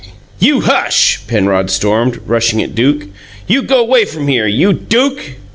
"You hush!" Penrod stormed, rushing at Duke. "You go 'way from here! You DUKE!"